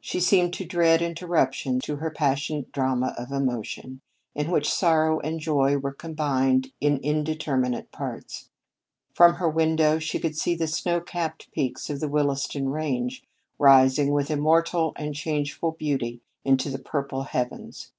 She seemed to dread interruption to her passionate drama of emotion, in which sorrow and joy were combined in indeterminate parts. From her window she could see the snow capped peaks of the Williston range, rising with immortal and changeful beauty into the purple heavens.